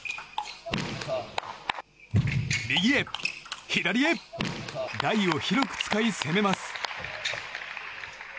右へ左へ台を広く使い、攻めます。